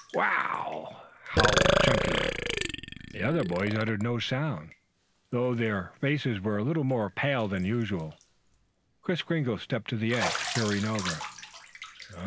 "Wow!" howled Chunky; The other boys uttered no sound, though their faces were a little more pale than usual. Kris Kringle stepped to the edge, peering over.